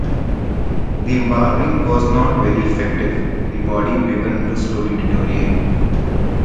The embalming was not very effective; the body begun to slowly deteriorate.